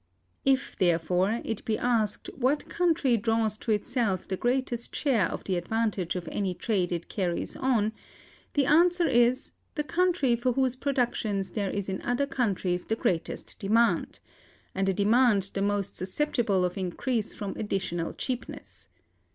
If, therefore, it be asked what country draws to itself the greatest share of the advantage of any trade it carries on, the answer is, the country for whose productions there is in other countries the greatest demand, and a demand the most susceptible of increase from additional cheapness.